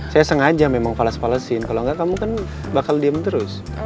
saya sengaja memang fales falesin kalau enggak kamu kan bakal diem terus